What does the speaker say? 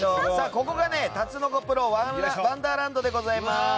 ここがタツノコプロワンダーランドでございます。